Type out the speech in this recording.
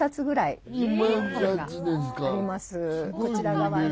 こちら側に。